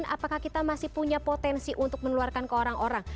apakah kita masih punya potensi untuk menularkan ke orang orang